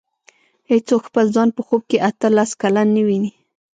هېڅوک خپل ځان په خوب کې اته لس کلن نه ویني.